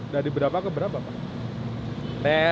dari berapa ke berapa pak